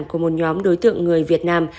của một nhóm đối tượng người việt nam